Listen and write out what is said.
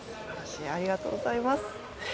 ありがとうございます。